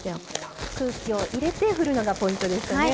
空気を入れて振るのがポイントでしたね。